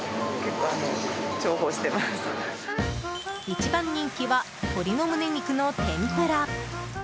一番人気は鶏のむね肉の天ぷら。